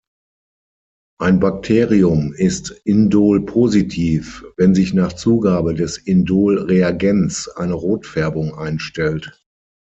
Ein Bakterium ist Indol-positiv, wenn sich nach Zugabe des Indol-Reagenz eine Rotfärbung einstellt.